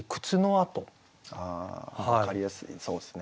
あ分かりやすいそうですね。